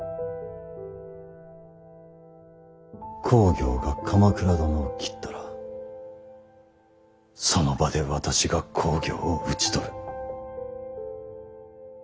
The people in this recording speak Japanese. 公暁が鎌倉殿を斬ったらその場で私が公暁を討ち取る。